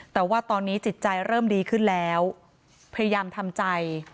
แต่ว่าตอนนี้จิตใจเริ่มดีขึ้นแล้วพยายามทำใจ